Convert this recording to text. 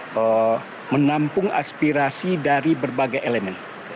untuk menampung aspirasi dari berbagai elemen